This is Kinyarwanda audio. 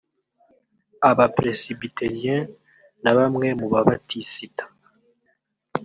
Aba-Presbyteriens na bamwe mu ba Batisita